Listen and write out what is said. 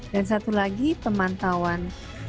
dan satu lagi pemantauan